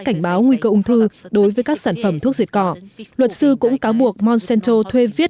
cảnh báo nguy cơ ung thư đối với các sản phẩm thuốc diệt cỏ luật sư cũng cáo buộc monsanto thuê viết